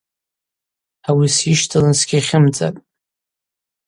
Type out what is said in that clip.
Ауи сйыщталын сгьихьымдзатӏ.